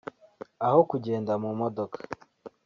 aho kugenda mu modoka)